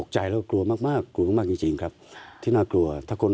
จริงนะครับที่น่ากลัว